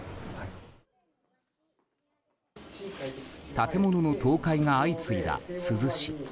建物の倒壊が相次いだ珠洲市。